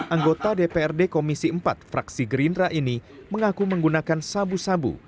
anggota dprd komisi empat fraksi gerindra ini mengaku menggunakan sabu sabu